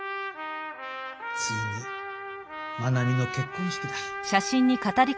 ついにまなみの結婚式だ。